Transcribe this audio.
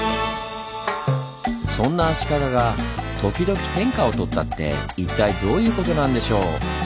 そんな足利が「ときどき」天下をとったって一体どういうことなんでしょう？